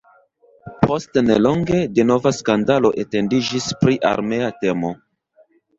Post nelonge denova skandalo etendiĝis pri armea temo.